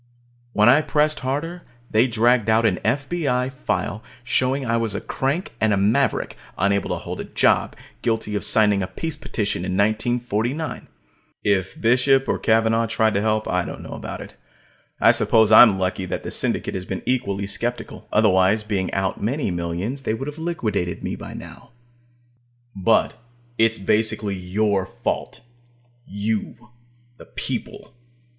When I pressed harder, they dragged out an F.B.I. file showing I was a crank and maverick, unable to hold a job, and guilty of signing a peace petition in 1949. If Bishop or Cavanaugh tried to help, I don't know about it. I suppose I'm lucky that the Syndicate has been equally skeptical. Otherwise, being out many millions, they would have liquidated me by now. But basically it's your fault you, the people.